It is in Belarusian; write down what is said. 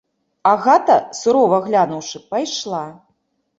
Агата, сурова глянуўшы, пайшла.